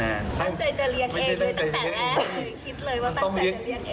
ตั้งใจจะเลี้ยงเองเลยตั้งแต่แม่